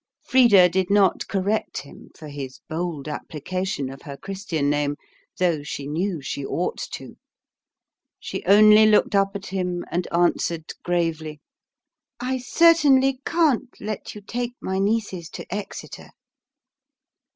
Frida did not correct him for his bold application of her Christian name, though she knew she ought to. She only looked up at him and answered gravely "I certainly can't let you take my nieces to Exeter."